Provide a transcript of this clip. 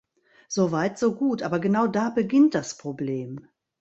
So weit, so gut, aber genau da beginnt das Problem.